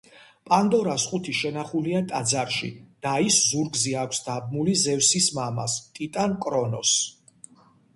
პანდორას ყუთი შენახულია ტაძარში და ის ზურგზე აქვს დაბმული ზევსის მამას, ტიტან კრონოსს.